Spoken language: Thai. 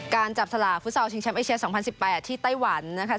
การจับสลาบฟุตซาลชิงแชมป์เอเชียสองพันสิบแปดที่ไต้หวันนะคะ